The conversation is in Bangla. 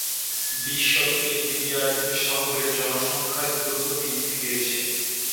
বিশ শতকের দ্বিতীয়ার্ধে শহরের জনসংখ্যা দ্রুত বৃদ্ধি পেয়েছে।